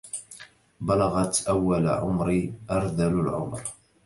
بلغت أول عمري أرذل العمر